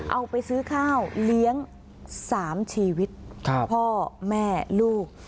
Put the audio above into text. เอาไปซื้อข้าวเลี้ยง๓ชีวิตพ่อแม่ลูก